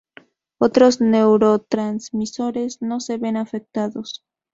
Otros neurotransmisores no se ven afectados.